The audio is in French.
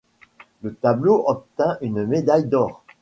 Le tableau obtint une médaille d'or.